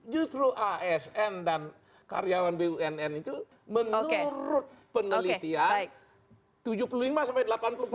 justru asn dan karyawan bumn itu menurut penelitian